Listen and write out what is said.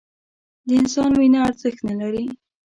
د انسان وینه ارزښت نه لري